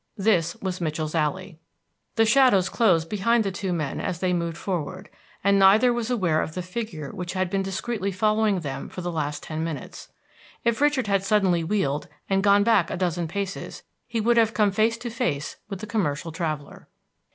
This was Mitchell's Alley. The shadows closed behind the two men as they moved forward, and neither was aware of the figure which had been discreetly following them for the last ten minutes. If Richard had suddenly wheeled and gone back a dozen paces, he would have come face to face with the commercial traveler.